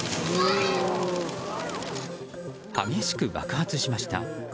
激しく爆発しました。